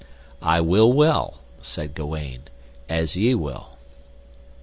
I will well, said Gawaine, as ye will.